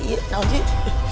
ini dikit dikit dikit